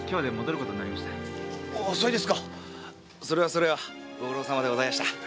それはそれはご苦労さまでございやした。